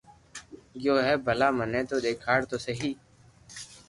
گيو ھي ڀلا مني تو ديکار تو سھي